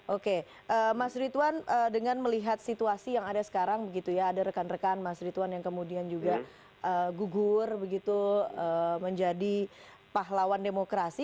oke mas ritwan dengan melihat situasi yang ada sekarang begitu ya ada rekan rekan mas rituan yang kemudian juga gugur begitu menjadi pahlawan demokrasi